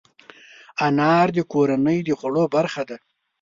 انار د کورنۍ د خوړو برخه ده.